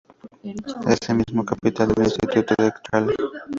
Es asimismo capital del distrito de Chala.